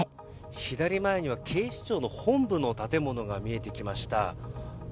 左前には警視庁の本部の建物が見えてきました。